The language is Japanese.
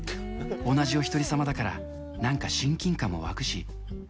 同じおひとり様だからなんか親近感も湧くし。